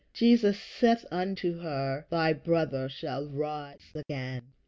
Jesus saith unto her, Thy brother shall rise again."